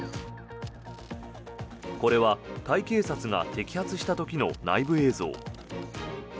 これはタイ警察が摘発した時の内部映像。